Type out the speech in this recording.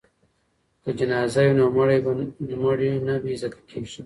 که جنازه وي نو مړی نه بې عزته کیږي.